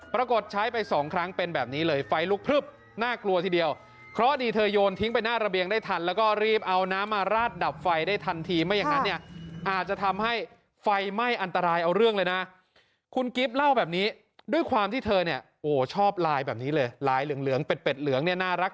ปรากฏใช้ไปสองครั้งเป็นแบบนี้เลยไฟลุก